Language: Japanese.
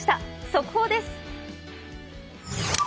速報です。